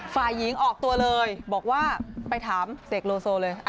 ฝ่ายหญิงออกตัวเลยบอกว่าไปถามเสกโลโซเลย